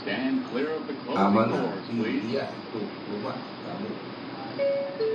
amana piliyas tu luma’ kamu